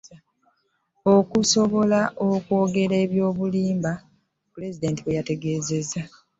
Okusobola okwogera eby'obulimba, Pulezidenti bwe yategeeza.